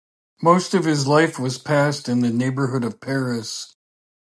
Most of his life was passed in the neighborhood of Paris.